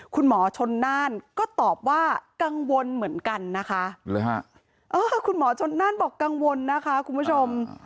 คุณหมอชนน่านก็ตอบว่ากังวลเหมือนกันนะคะคุณหมอชนน่านบอกกังวลนะคะคุณผู้ชม